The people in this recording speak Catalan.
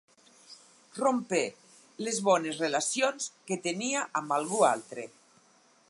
Rompé les bones relacions que tenia amb algú altre.